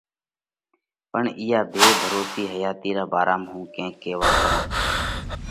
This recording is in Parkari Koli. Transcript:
پڻ اِيئا ڀي ڀروسِي حياتِي را ڀارام هُون ڪينڪ ڪيوا ڪرونه۔